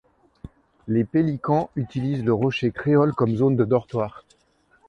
Les Pélicans utilisent le Rocher Créole comme zone de dortoir.